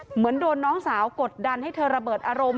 เหมือนโดนน้องสาวกดดันให้เธอระเบิดอารมณ์